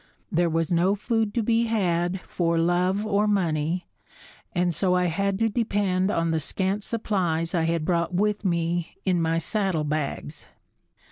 There was no food to be had for love or money and so I had to depend on the scant supplies I had brought with me in my saddlebags.